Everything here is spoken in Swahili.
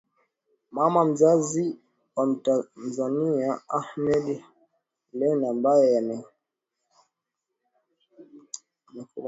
mama mzazi wa mtanzania ahmed hailan ambae amehukumiwa kifungo cha maisha gerezani kwa kuhusika